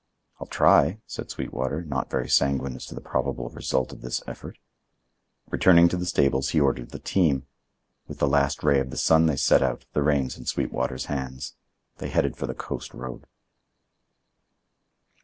"I'll try," said Sweetwater, not very sanguine as to the probable result of this effort. Returning to the stables, he ordered the team. With the last ray of the sun they set out, the reins in Sweetwater's hands. They headed for the coast road.